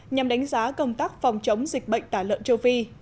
nhằm đánh giá công tác phòng chống dịch bệnh tả lợn châu phi